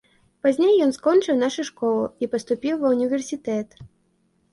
Пазней ён скончыў нашу школу і паступіў ва ўніверсітэт.